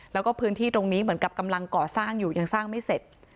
แล้วก็พื้นที่ตรงนี้เหมือนกับกำลังก่อสร้างอยู่ยังสร้างไม่เสร็จ